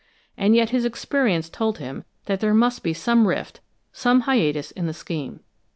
And yet his experience told him that there must be some rift, some hiatus in the scheme.